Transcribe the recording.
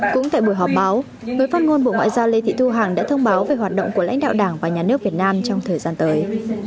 cũng tại buổi họp báo người phát ngôn bộ ngoại giao lê thị thu hằng đã thông báo về hoạt động của lãnh đạo đảng và nhà nước việt nam trong thời gian tới